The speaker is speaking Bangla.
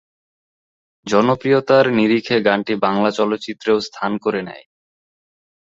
জনপ্রিয়তার নিরিখে গানটি বাংলা চলচ্চিত্রেও স্থান করে নেয়।